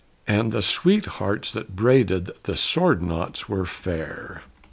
And the sweethearts that braided the sword knots were fair.